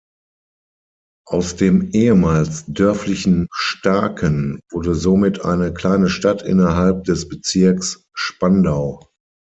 Aus dem ehemals dörflichen Staaken wurde somit eine kleine Stadt innerhalb des Bezirks Spandau.